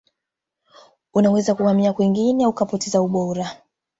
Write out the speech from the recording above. unaweza kuhamia kwingine ukapoteza ubora